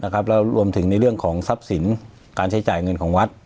แล้วรวมถึงในเรื่องของทรัพย์สินการใช้จ่ายเงินของวัด